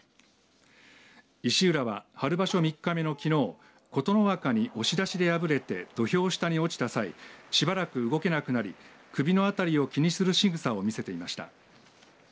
石浦は、春場所３日目のきのう琴ノ若に押し出しで敗れて土俵下に落ちた際しばらく動けなくなり首の辺りを気にするしぐさを見せていました。